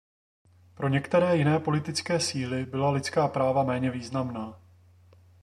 Pro některé jiné politické síly byla lidská práva méně významná.